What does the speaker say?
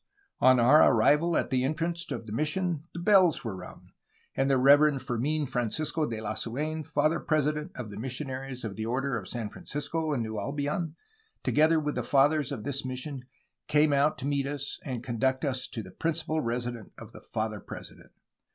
On our arrival at the entrance of the Mission the bells were rung, and the Rev. Fermin Francisco de Lasuen, father president of the missionaries of the order of St. Francisco in New Albion, together with the fathers of this mission, came out to meet us, and conduct us to the principal residence of the father president.